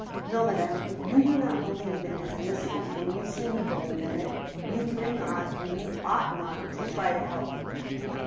... No, madame, if you do not believe in his innocence when you see me believe in it, you can not and you ought not to try to help me